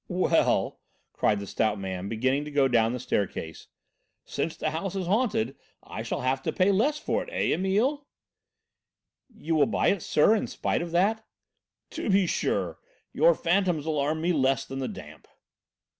"Well!" cried the stout man, beginning to go down the staircase, "since the house is haunted I shall have to pay less for it; eh, Emile?" "You will buy, sir, in spite of that?" "To be sure. Your phantoms alarm me less than the damp."